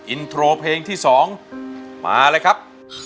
อินโทรเพลงที่๒มาเลยครับ